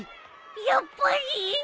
やっぱり！？